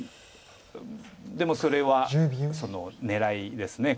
でもそれは狙いです